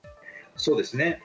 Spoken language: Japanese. そうですね。